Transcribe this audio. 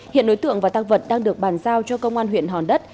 hiện đối tượng và tăng vật đang được bàn giao cho công an huyện hòn đất